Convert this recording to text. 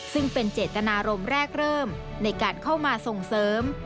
ซึ่งเป็นเจตนารมณ์แรกเริ่มในการเข้ามาส่งเสริม